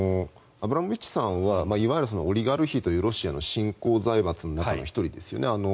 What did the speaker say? アブラモビッチさんはいわゆるオリガルヒというロシアの新興財閥の中の１人ですよね。